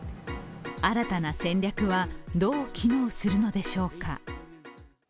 新たな戦略はどう機能するのでしょうか。